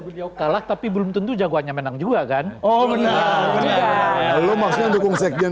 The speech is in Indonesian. beliau kalah tapi belum tentu jagoannya menang juga kan oh menang lo maksudnya dukung sekjen